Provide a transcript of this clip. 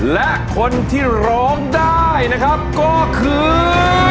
และคนที่ร้องได้ก็คือ